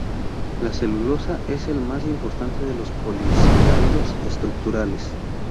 La celulosa es el más importante de los polisacáridos estructurales.